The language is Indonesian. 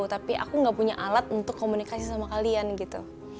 tapi aku gak punya alat untuk komunikasi sama kalian gitu